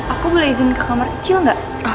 aku boleh izin ke kamar cil gak